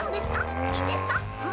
いいんですか？